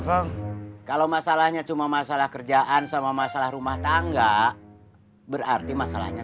dong kalau masalahnya cuma masalah kerjaan sama masalah rumah tangga berarti masalahnya